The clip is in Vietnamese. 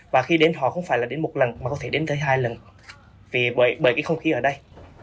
và khi đến họ không phải là đến một lần mà có thể đến tới hai lần vì bởi cái không khí ở đây